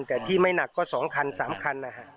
แต่ที่ไม่หนักก็๒คัน๓คันนะฮะ